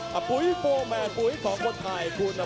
กันต่อแพทย์จินดอร์